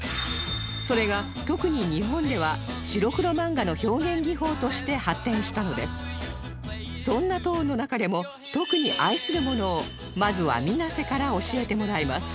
それが特に日本ではそんなトーンの中でも特に愛するものをまずは水瀬から教えてもらいます